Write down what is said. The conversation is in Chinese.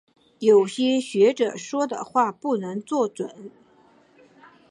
有些学者说的话不能做准。